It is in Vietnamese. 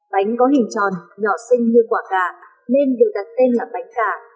bánh có hình tròn nhỏ sinh như quả cà nên được đặt tên là bánh cà